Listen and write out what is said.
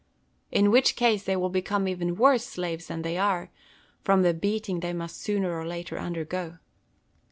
In which case they will become even worse slaves than they are, from the beating they must sooner or later undergo.